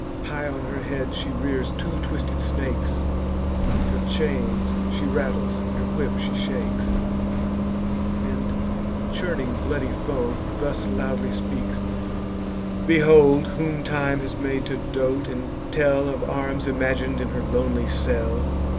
High on her head she rears two twisted snakes, Her chains she rattles, and her whip she shakes; And, churning bloody foam, thus loudly speaks: "Behold whom time has made to dote, and tell Of arms imagin'd in her lonely cell!